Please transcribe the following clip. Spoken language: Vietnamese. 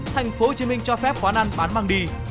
tp hcm cho phép quán ăn bán mang đi